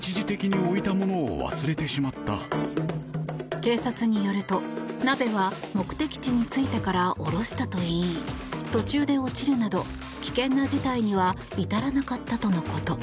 警察によると、鍋は目的地に着いてから下ろしたといい途中で落ちるなど危険な事態には至らなかったとのこと。